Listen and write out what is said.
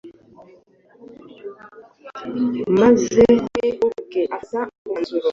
maze we ubwe agafata umwanzuro